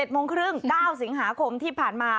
โมงครึ่ง๙สิงหาคมที่ผ่านมา